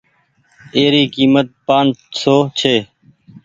اي ري ڪيمت پآنچ سون ڇي۔